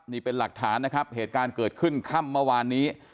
นี่เป็นหลักฐานนะครับเหตุการณ์เกิดขึ้นค่ำเมื่อวานนี้